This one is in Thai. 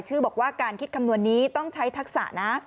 บอกว่าการคิดคำนวณนี้ต้องใช้ทักษะนะ